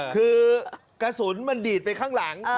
คือกระสุนมันดีดไปข้างหลัง